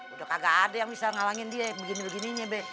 udah kagak ada yang bisa ngalangin dia begini begininya be